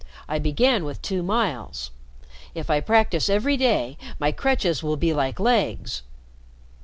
I began with two miles. If I practice every day, my crutches will be like legs."